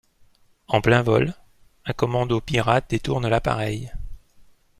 En plein vol, un commando pirate détourne l'appareil.